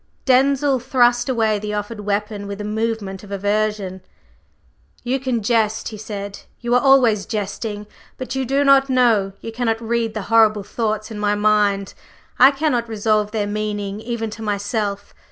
Denzil thrust away the offered weapon with a movement of aversion. "You can jest," he said. "You are always jesting. But you do not know you cannot read the horrible thoughts in my mind. I cannot resolve their meaning even to myself.